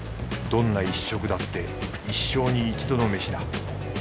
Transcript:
どんな１食だって一生に一度のメシだ。